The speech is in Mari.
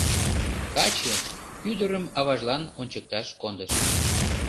Каче ӱдырым аважлан ончыкташ кондыш.